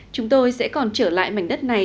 chúng tôi sẽ còn trở lại mảnh đất này